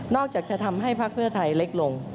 อกจากจะทำให้พักเพื่อไทยเล็กลง